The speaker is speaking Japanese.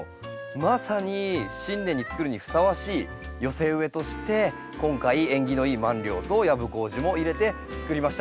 まさに新年につくるにふさわしい寄せ植えとして今回縁起のいいマンリョウとヤブコウジも入れてつくりました。